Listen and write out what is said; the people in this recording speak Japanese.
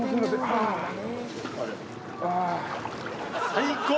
最高。